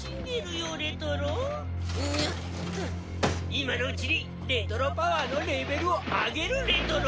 今のうちにレトロパワーのレベルを上げるレトロ！